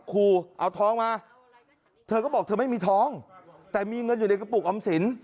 ครูเอาทองมาเธอก็บอกเธอไม่มีท้องแต่มีเงินอยู่ในกระปุกออมสิน